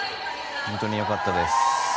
本当によかったです。